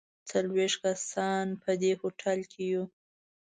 څلوېښت کسان په دې هوټل کې یو.